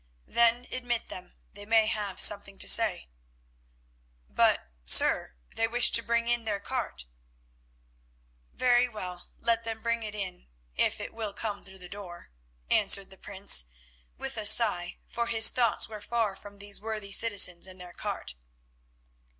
"Then admit them, they may have something to say." "But, sir, they wish to bring in their cart." "Very well, let them bring it in if it will come through the door," answered the Prince, with a sigh, for his thoughts were far from these worthy citizens and their cart.